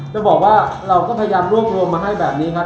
จะบอกว่าเราก็พยายามรวบรวมมาให้แบบนี้ครับ